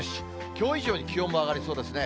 きょう以上に気温も上がりそうですね。